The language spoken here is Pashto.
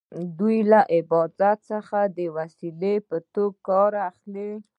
دوی له عبادت څخه د وسیلې په توګه کار اخلي.